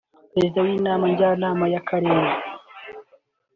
Perezida w’Inama Njyanama y’akarere